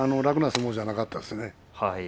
楽な相撲じゃなかったですね。